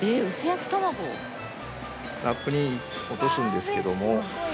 ラップに落とすんですけども。